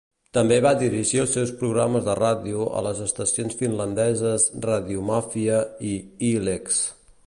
També va dirigir els seus programes de ràdio a les estacions finlandeses "Radiomafia" i "YleX".